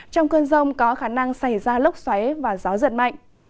trong cơn rông có khả năng xảy ra lốc xoáy và gió giật mạnh